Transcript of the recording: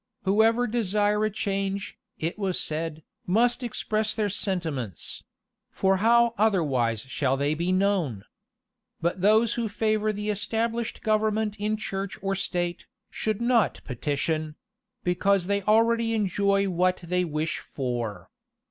Whoever desire a change, it was said, must express their sentiments; for how otherwise shall they be known? But those who favor the established government in church or state, should not petition; because they already enjoy what they wish for.